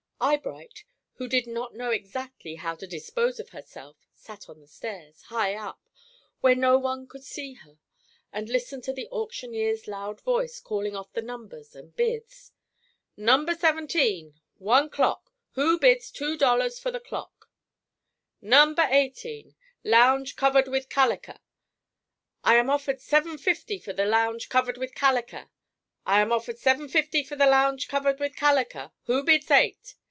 Eyebright, who did not know exactly how to dispose of herself, sat on the stairs, high up, where no one could see her, and listened to the auctioneer's loud voice calling off the numbers and bids. "No. 17, one clock, who bids two dollars for the clock? No. 18, lounge covered with calliker. I am offered seven fifty for the lounge covered with calliker. I am offered seven fifty for the lounge covered with calliker. Who bids eight?